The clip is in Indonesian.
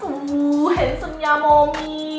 tuh handsome nya momi